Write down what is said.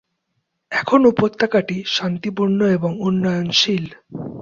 এখন উপত্যকাটি শান্তিপূর্ণ এবং উন্নয়নশীল।